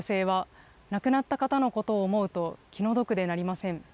７０代の女性は、亡くなった方のことを思うと気の毒でなりません。